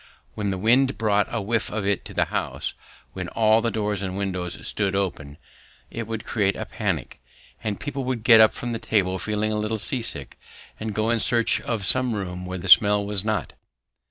When the wind brought a whiff of it into the house, when all the doors and windows stood open, it would create a panic, and people would get up from table feeling a little sea sick, and go in search of some room where the smell was not.